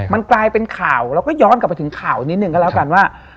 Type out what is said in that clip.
มันกลายเป็นข่าวแล้วก็ย้อนกลับไปถึงข่าวนิดนึงก็แล้วกันว่า